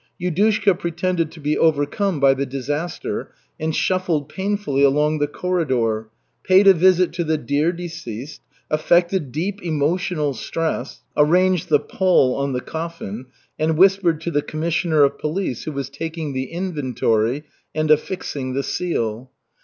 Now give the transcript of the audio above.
Yudushka pretended to be overcome by the disaster, and shuffled painfully along the corridor, paid a visit to the "dear deceased," affected deep emotional stress, arranged the pall on the coffin, and whispered to the commissioner of police, who was taking the inventory and affixing the seal.